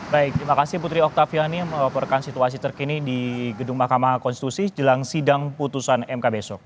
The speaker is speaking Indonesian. baik terima kasih putri oktaviani melaporkan situasi terkini di gedung mahkamah konstitusi jelang sidang putusan mk besok